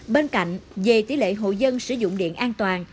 bên cạnh về tỷ lệ hộ dân sử dụng điện an toàn